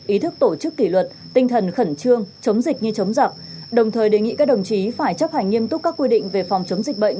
ý thức tổ chức kỷ luật tinh thần khẩn trương chống dịch như chống giặc đồng thời đề nghị các đồng chí phải chấp hành nghiêm túc các quy định về phòng chống dịch bệnh